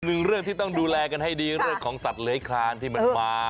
หนึ่งเรื่องที่ต้องดูแลกันให้ดีเรื่องของสัตว์เหลือยคานที่มันมา